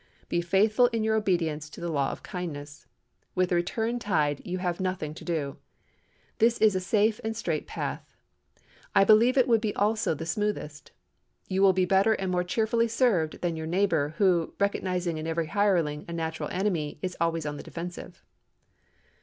Be faithful in your obedience to the law of kindness. With the return tide you have nothing to do. This is a safe and straight path. I believe it to be also the smoothest. You will be better and more cheerfully served than your neighbor, who, recognizing in every hireling a natural enemy, is always on the defensive."